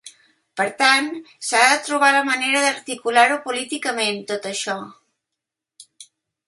Per tant, s’ha de trobar la manera d’articular-ho políticament, tot això.